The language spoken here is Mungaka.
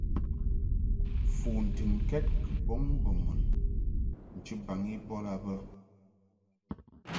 Fu ntɨnkɛd kɨ bɔŋ mbo mun nchibaŋ i bɔd a bə.